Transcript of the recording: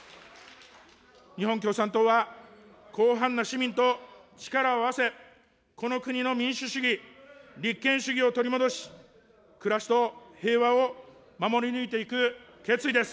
日本共産党は、広範な市民と力を合わせ、この国の民主主義、立憲主義を取り戻し、暮らしと平和を守り抜いていく決意です。